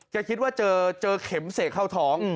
คิดว่าเจอเข็มเสกเข้าท้อง